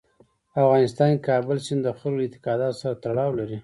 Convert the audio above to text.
په افغانستان کې کابل سیند د خلکو له اعتقاداتو سره تړاو لري.